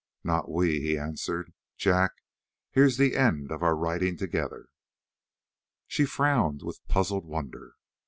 "Not we," he answered. "Jack, here's the end of our riding together." She frowned with puzzled wonder.